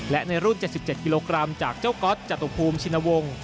และในรุ่น๗๗กิโลกรัมจากเจ้าก๊อตจตุภูมิชินวงศ์